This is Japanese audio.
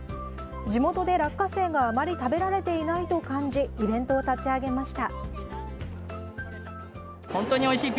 地元で落花生があまり食べられていないと感じイベントを立ち上げました。